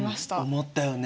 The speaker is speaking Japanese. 思ったよね。